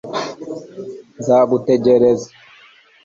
nzagutegereza